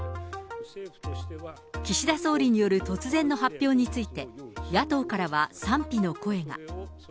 岸田総理による突然の発表について、野党からは賛否の声が。